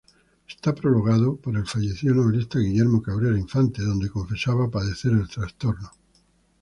Está prologado por el fallecido novelista Guillermo Cabrera Infante, donde confesaba padecer el trastorno.